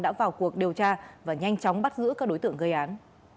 đã vào cuộc điều tra và nhanh chóng bắt giữ các đối tượng gây án